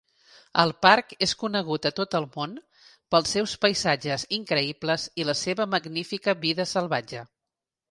El parc és conegut a tot el món pels seus paisatges increïbles i la seva magnífica vida salvatge.